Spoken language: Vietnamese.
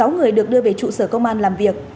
sáu người được đưa về trụ sở công an làm việc